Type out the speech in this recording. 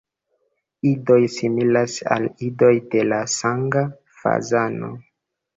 Idoj similas al idoj de la Sanga fazano.